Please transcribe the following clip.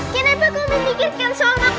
kenapa kau memikirkan soal makanan